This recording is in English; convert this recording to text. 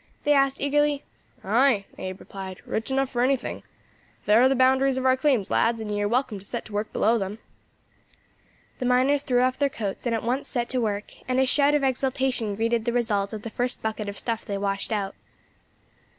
they asked eagerly. "Ay," Abe replied, "rich enough for anything. There are the boundaries of our claims, lads, and ye are welcome to set to work below them." The miners threw off their coats, and at once set to work, and a shout of exultation greeted the result of the first bucket of stuff they washed out.